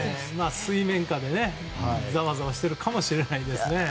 水面下でざわざわしているかもしれないですね。